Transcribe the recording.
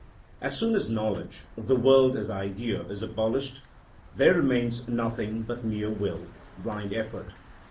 As soon as knowledge, the world as idea, is abolished, there remains nothing but mere will, blind effort.